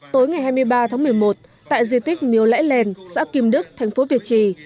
tối ngày hai mươi ba tháng một mươi một tại di tích miếu lễ lèn xã kim đức thành phố việt trì